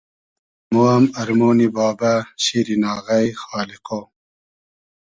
ارمۉ ام ارمۉنی بابۂ ، شیرین آغݷ ، خالیقۉ